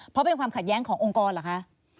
เพราะเป็นความขัดแย้งขององค์กรเหรอคะ